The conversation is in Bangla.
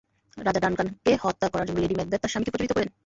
রাজা ডানকানকে হত্যা করার জন্য লেডি ম্যাকবেথ তাঁর স্বামীকে প্ররোচিত করেন।